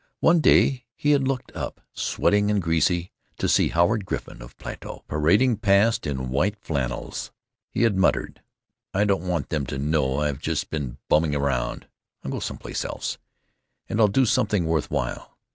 One day he had looked up, sweating and greasy, to see Howard Griffin, of Plato, parading past in white flannels. He had muttered: "I don't want Them to know I've just been bumming around. I'll go some place else. And I'll do something worth while."